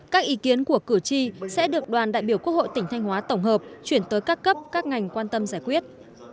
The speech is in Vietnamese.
các ý kiến của cử tri sẽ được đoàn đại biểu quốc hội tỉnh thanh hóa tổng hợp chuyển tới các cấp các ngành quan tâm giải quyết